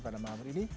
pada malam hari ini